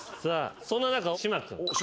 そんな中島君。